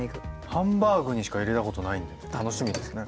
ハンバーグにしか入れたことないんで楽しみですね。